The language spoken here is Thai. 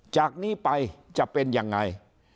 จากนี้ไปจะเป็นยังไง